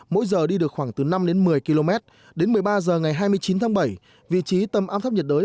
mỗi giờ đi được khoảng từ năm đến một mươi km đến một mươi ba h ngày hai mươi chín tháng bảy vị trí tâm áp thấp nhiệt đới